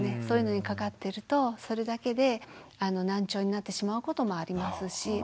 そういうのにかかってるとそれだけで難聴になってしまうこともありますし。